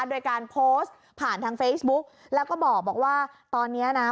โดยการโพสต์ผ่านทางเฟซบุ๊กแล้วก็บอกว่าตอนเนี้ยนะ